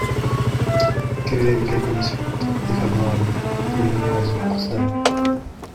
Quel est l’avis de la commission ? Défavorable, pour les mêmes raisons que précédemment.